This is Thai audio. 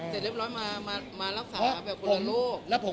เสร็จเรียบร้อยมารักษาแบบคนละโรค